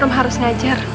rom harus ngajar